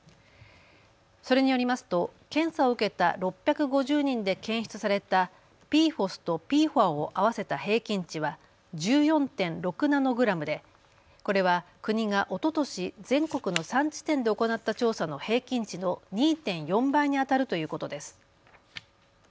それによりますと検査を受けた６５０人で検出されたＰＦＯＳとＰＦＯＡを合わせた平均値は１４．６ナノグラムでこれは国がおととし、全国の３地点で行った調査の平均値の２．４倍にあたるということです。